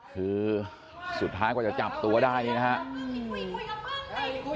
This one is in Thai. คือสุดท้ายกว่าจะจับตัวได้นี่นะครับ